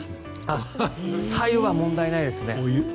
白湯は問題ないですね。